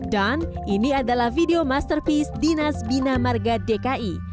dan ini adalah video masterpiece dinas bina marga dki